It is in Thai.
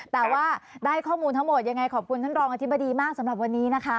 แต่ว่าได้ข้อมูลทั้งหมดยังไงขอบคุณท่านรองอธิบดีมากสำหรับวันนี้นะคะ